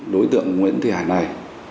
đối tượng nguyễn thị hải này